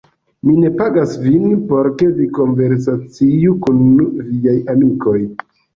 Mi ne pagas vin, por ke vi konversaciu kun viaj amikoj.